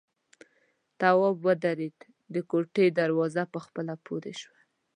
تواب ودرېد، د کوټې دروازه په خپله پورې شوه.